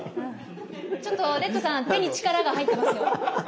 ちょっとレッドさん手に力が入ってますよ。